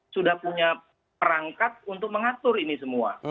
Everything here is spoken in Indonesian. sudah punya perangkat untuk mengatur ini semua